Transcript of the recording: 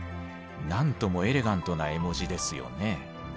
なんともエレガントな絵文字ですよね。